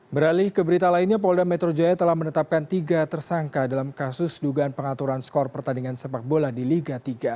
beralih ke berita lainnya polda metro jaya telah menetapkan tiga tersangka dalam kasus dugaan pengaturan skor pertandingan sepak bola di liga tiga